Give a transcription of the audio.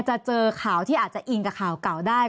จะเจอข่าวที่อาจจะอิงกับข่าวเก่าได้